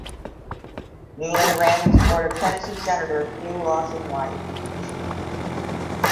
Newland ran in support of Tennessee Senator Hugh Lawson White.